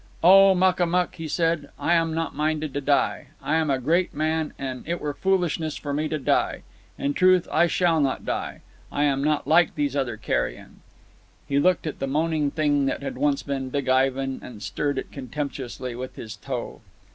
"Oh, Makamuk," he said, "I am not minded to die. I am a great man, and it were foolishness for me to die. In truth, I shall not die. I am not like these other carrion." He looked at the moaning thing that had once been Big Ivan, and stirred it contemptuously with his toe.